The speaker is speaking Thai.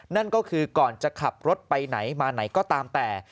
นั่นก็คือก่อนจะขับรถไปไหนมาไหนก็ตามแต่